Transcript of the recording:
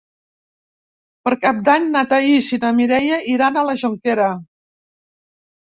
Per Cap d'Any na Thaís i na Mireia iran a la Jonquera.